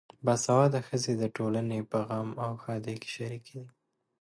باسواده ښځې د ټولنې په غم او ښادۍ کې شریکې دي.